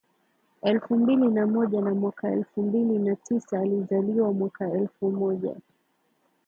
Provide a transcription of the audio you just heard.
elfu mbili na moja na mwaka elfu mbili na tisaAlizaliwa mwaka elfu moja